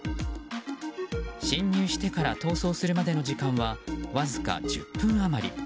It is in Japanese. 侵入してから逃走するまでの時間はわずか１０分余り。